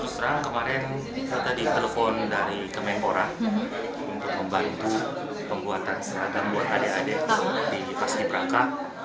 saya tadi telepon dari kemengkora untuk membantu pembuatan seragam buat adik adik di pasci braka